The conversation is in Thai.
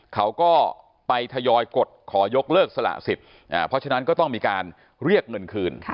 เขาก็ไปทยอยกดขอยกเลิกสละสิทธิ์เพราะฉะนั้นก็ต้องมีการเรียกเงินคืน